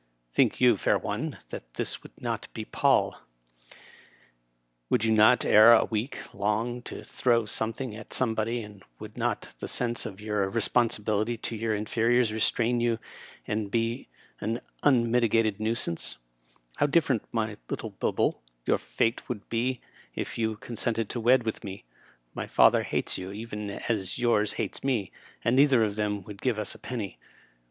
Think you, fair one, that this would not pall I Would you not, ere a week, long to throw something at somebody, and would not the sense of your responsi bOity to your inferiors restrain you and be an unmiti gated nuisance i How diflEerent, little bulbul, your fate would be, if you consented to wed with me. My father hates you, even as yours hates me, and neither of them would give us a penny.